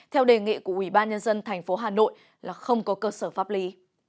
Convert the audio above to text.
theo đề nghị của ủy ban nhân dân thành phố hà nội là không có cơ sở pháp lý